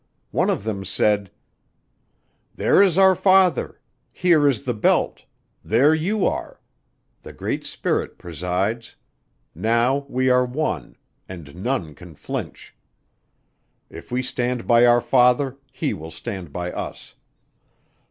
One of them said "There is our father here is the belt there you are the Great Spirit presides now we are one, and none can flinch if we stand by our father, he will stand by us.